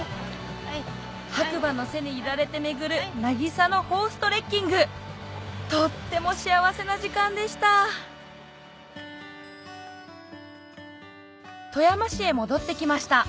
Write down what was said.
白馬の背に揺られて巡る渚のホーストレッキングとっても幸せな時間でした富山市へ戻って来ました